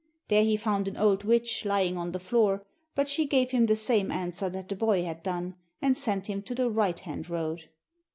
There he found an old witch lying on the floor, but she gave him the same answer that the boy had done, and sent him to the right hand road.